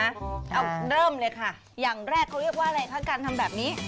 เอาเริ่มเลยค่ะอย่างแรกเขาเรียกว่าอะไรคะการทำแบบนี้